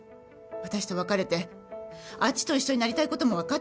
私と別れてあっちと一緒になりたい事もわかってた。